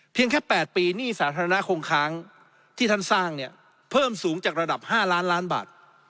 แค่๘ปีหนี้สาธารณะคงค้างที่ท่านสร้างเนี่ยเพิ่มสูงจากระดับ๕ล้านล้านบาท